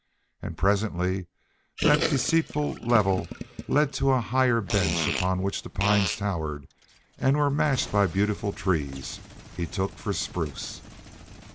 And presently that deceitful level led to a higher bench upon which the pines towered, and were matched by beautiful trees he took for spruce.